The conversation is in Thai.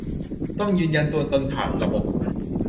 ต้องยืนยันตัวตนผ่านระบบ